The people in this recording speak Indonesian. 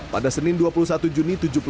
pada senin dua puluh satu juni